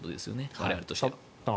我々としては。